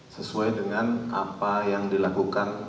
sesuai dengan apa yang dilakukan